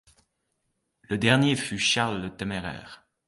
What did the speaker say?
Le dernier fut Charles le Téméraire.